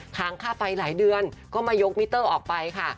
ค้างค่าไฟหลายเดือนก็มายกมิเตอร์ออกไปค่ะ